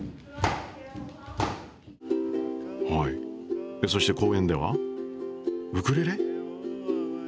はいそして公園ではウクレレ？